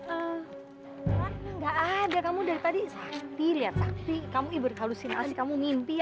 enggak ada kamu dari tadi sakti lihat sakti kamu ibarat halusinasi kamu mimpi